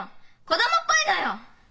子供っぽいのよ！